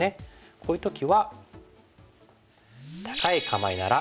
こういう時は。